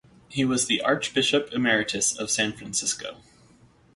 He was the Archbishop Emeritus of San Francisco.